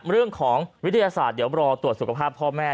เรื่องของวิทยาศาสตร์เดี๋ยวรอตรวจสุขภาพพ่อแม่